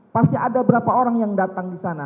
pasti ada berapa orang yang datang disana